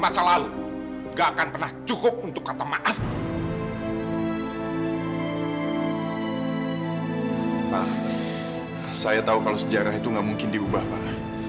saya tahu kalau sejarah itu gak mungkin diubah pak